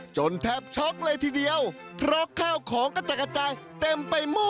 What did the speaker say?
แทบช็อกเลยทีเดียวเพราะข้าวของกระจัดกระจายเต็มไปหมด